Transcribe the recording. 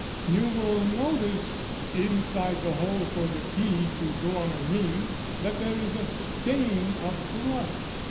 You will notice, inside the hole for the key to go on a ring, that there is a stain of blood.